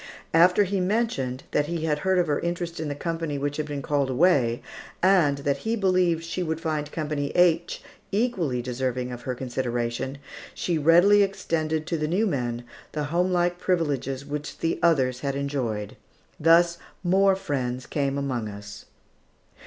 After he mentioned that he had heard of her interest in the company which had been called away, and that he believed she would find Company H equally deserving of her consideration, she readily extended to the new men the homelike privileges which the others had enjoyed. Thus more friends came among us.